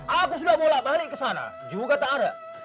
aku sudah mulai balik kesana juga tak ada